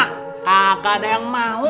kakak ada yang mau